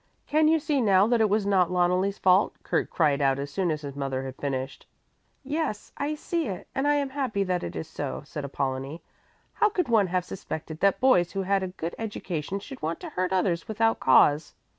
"Can you see now that it was not Loneli's fault?" Kurt cried out as soon as his mother had finished. "Yes, I see it and I am happy that it is so," said Apollonie. "How could one have suspected that boys who had a good education should want to hurt others without cause?